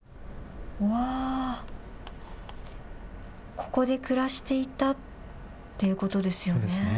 ここで暮らしていたっていうことですよね。